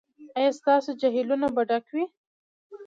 ایا ستاسو جهیلونه به ډک وي؟